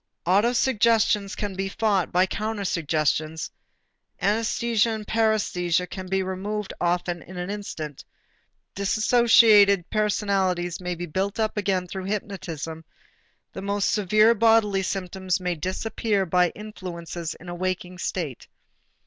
Autosuggestions can be fought by countersuggestions, anæsthesia and paræsthesia can be removed often in an instant, dissociated personalities may be built up again through hypnotism, the most severe bodily symptoms may disappear by influences in a waking state.